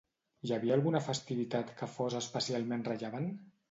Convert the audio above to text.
Hi havia alguna festivitat que fos especialment rellevant?